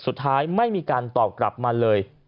สุดท้ายไม่มีการตอบกลับมาเลย